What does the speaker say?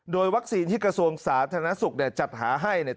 โดยวัคซีนที่กระทรวงสาธารณสุขเนี่ยจัดหาให้เนี่ย